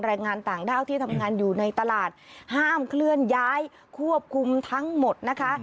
แรงงานต่างด้าวที่ทำงานอยู่ในตลาดห้ามเคลื่อนย้ายควบคุมทั้งหมดนะคะ